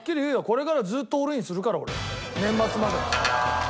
これからずっとオールインするから俺は年末まで。